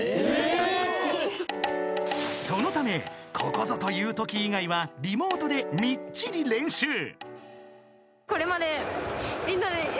［そのためここぞというとき以外はリモートでみっちり練習］